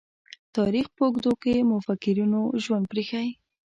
تاریخ په اوږدو کې مُفکرینو ژوند پريښی.